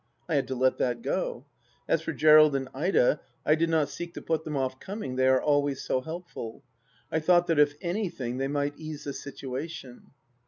I had to let that go. As for (Jerald and Ida, I did not seek to put them oft coming, they are always so helpful. I thought that if anything they might ease the situation.